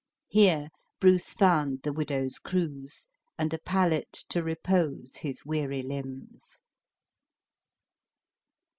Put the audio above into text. Here Bruce found the widow's cruse, and a pallet to repose his weary limbs.